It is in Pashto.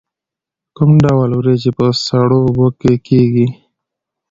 کوم ډول وریجې په سړو اوبو کې کیږي؟